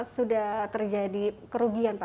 sudah terjadi kerugian pak